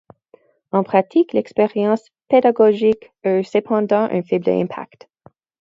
En pratique, l'expérience pédagogique eut cependant un faible impact.